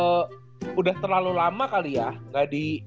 masalahnya lebih lama kali ya